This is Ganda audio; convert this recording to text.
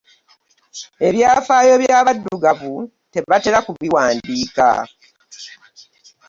Ebyafaayo by'abaddugavu tebatera kubiwandiika.